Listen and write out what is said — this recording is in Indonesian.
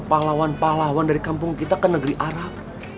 pahlawan pahlawan dari kampung kita ke negeri arab